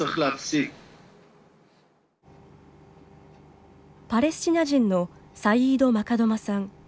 パレスチナ人のサイード・マカドマさん６１歳です。